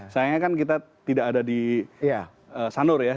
sayangnya kan kita tidak ada di sanur ya